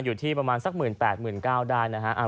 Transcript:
อยู่ที่ประมาณสักหมื่นแปดหมื่นเก้าได้นะฮะอ่า